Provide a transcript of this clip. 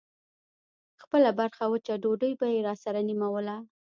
خپله برخه وچه ډوډۍ به يې راسره نيموله.